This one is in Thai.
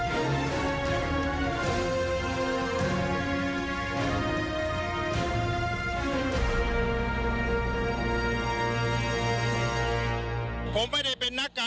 ชูเว็ดตีแสดหน้า